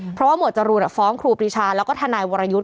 เพราะว่าหมวดจรูนฟ้องครูปรีชาแล้วก็ทนายวรยุทธ์